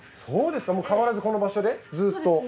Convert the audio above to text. そうですか変わらずこの場所でずっと？